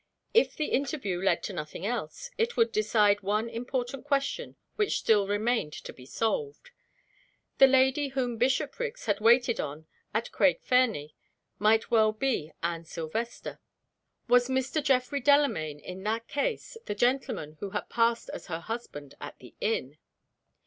If the interview led to nothing else, it would decide one important question which still remained to be solved. The lady whom Bishopriggs had waited on at Craig Fernie might well be "Anne Silvester." Was Mr. Geoffrey Delamayn, in that case, the gentleman who had passed as her husband at the inn?